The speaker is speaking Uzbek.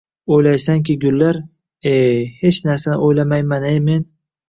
— O‘ylaysanki, gullar...— E, hech narsani o‘ylamayman-e, men!